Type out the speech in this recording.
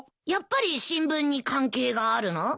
やっぱり新聞に関係があるの？